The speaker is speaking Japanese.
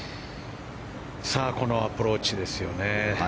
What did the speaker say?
さあこのアプローチですよね。